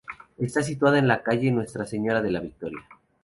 Está situada en la calle Nuestra Señora de la Victoria.